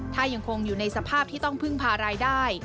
ถ้ายังคงอยู่ในสภาพที่ต้องพึ่งพารายได้